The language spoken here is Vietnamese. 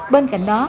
bên cạnh đó